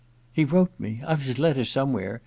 •He wrote me — IVe his letter somewhere.